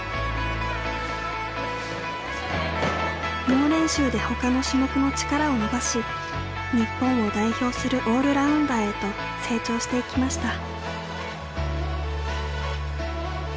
猛練習でほかの種目の力を伸ばし日本を代表するオールラウンダーへと成長していきました。